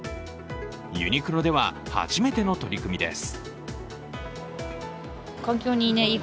ユニクロでは初めての取り組みです。